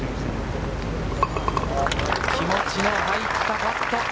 気持ちの入ったパット。